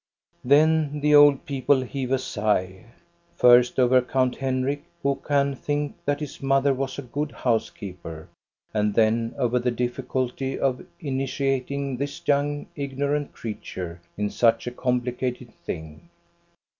" Then the old people heave a sigh : first, over Count Henrik, who can think that his mother was a good house keeper; and then over the difficulty of initiat 172 THE STORY OF GO ST A BE RUNG ing this young, ignorant creature in such a compli cated thing.